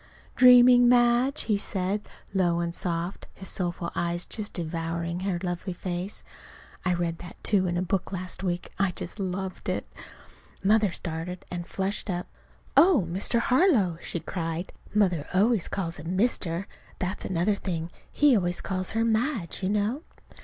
"Dreaming, Madge?" he said, low and soft, his soulful eyes just devouring her lovely face. (I read that, too, in a book last week. I just loved it!) Mother started and flushed up. "Oh, Mr. Harlow!" she cried. (Mother always calls him "Mr." That's another thing. He always calls her "Madge," you know.)